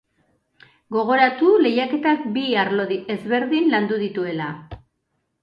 Gogoratu lehiaketak bi arlo ezberdin landu dituela.